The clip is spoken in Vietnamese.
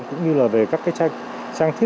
cũng như là về các cái tranh